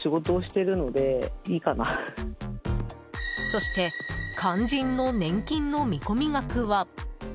そして肝心の年金の見込み額は。